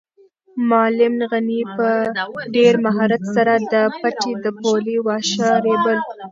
معلم غني په ډېر مهارت سره د پټي د پولې واښه رېبل.